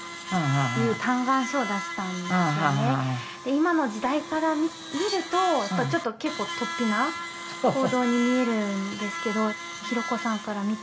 今の時代から見るとちょっと結構とっぴな行動に見えるんですけど弘子さんから見て。